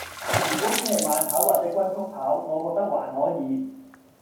如果只係慢跑或者均速跑，我覺得還可以